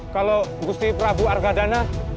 kalau gusti prabu arkadana